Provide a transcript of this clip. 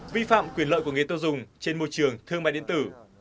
vi phạm quyền lợi của người tiêu dùng trên môi trường thương mại điện tử